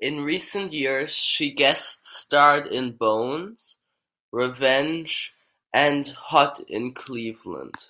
In recent years she guest-starred in "Bones", "Revenge", and "Hot in Cleveland".